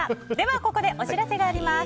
ここでお知らせがあります。